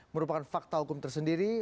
merupakan fakta hukum tersendiri